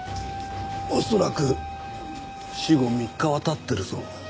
恐らく死後３日は経ってるぞ。